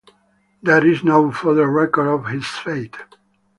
There is no further record of his fate.